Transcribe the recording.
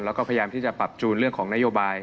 แล้วก็พยายามที่จะปรับจูนเรื่องของนโยบาย